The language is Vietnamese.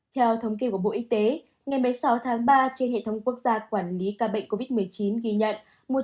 theo thống kê của bộ y tế ngày một mươi sáu tháng ba trên hệ thống quốc gia quản lý ca bệnh covid một mươi chín ghi nhận